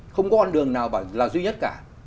không có con đường nào là duy nhất cả